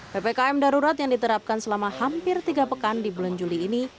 ppkm darurat yang diterapkan selama hampir tiga pekan di bulan juli ini